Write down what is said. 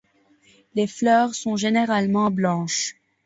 Les fleurs sont généralement blanches.